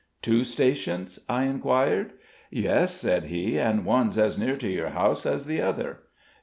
"Two stations?" I inquired. "Yes," said he; "and one's as near to your house as the other."